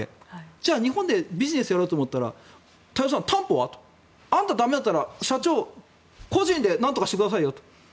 じゃあ、日本でビジネスをやろうと思ったら太蔵さん、担保はと。あんた、駄目だったら社長個人でなんとかしてくださいと。